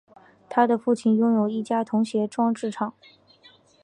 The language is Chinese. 他的父亲拥有一家童装制衣厂。